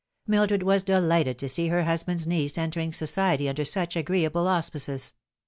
Mildred was delighted to see her husband's niece entering society under such agreeable auspices.